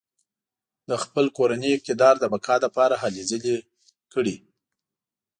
د خپل کورني اقتدار د بقا لپاره هلې ځلې کړې.